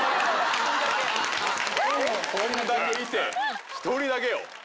こんだけいて１人だけよ。